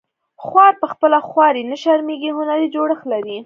خوار په خپله خواري نه شرمیږي هنري جوړښت لري